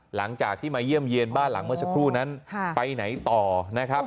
หลังจากที่มาเยี่ยมเยี่ยนบ้านหลังเมื่อสักครู่นั้นไปไหนต่อนะครับ